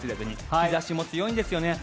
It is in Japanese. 日差しも強いんですよね。